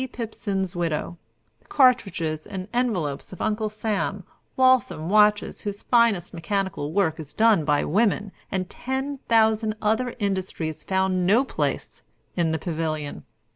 Pipsen's widow, the cartridges and envelopes of Uncle Sam, Waltham watches, whose finest mechanical work is done by women, and ten thousand other industries found no place in the pavilion.